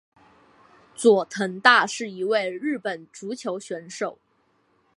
佐藤大是一位日本足球选手。